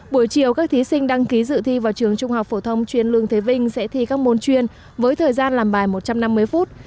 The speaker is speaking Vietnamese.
buổi chiều các thí sinh đăng ký dự thi vào trường trung học phổ thông chuyên lương thế vinh sẽ thi các môn chuyên với thời gian làm bài một trăm năm mươi phút